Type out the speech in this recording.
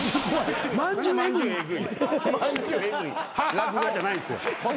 ハハハじゃないんですよ。